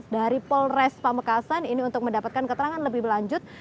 dari polres pamekasan ini untuk mendapatkan keterangan lebih lanjut